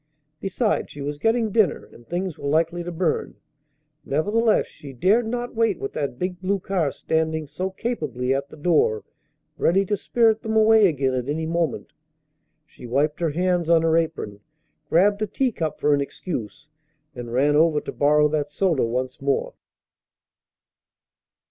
Besides, she was getting dinner, and things were likely to burn. Nevertheless, she dared not wait with that big blue car standing so capably at the door, ready to spirit them away again at any moment. She wiped her hands on her apron, grabbed a teacup for an excuse, and ran over to borrow that soda once more.